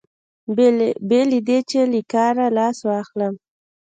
بې له دې چې له کاره لاس واخلم.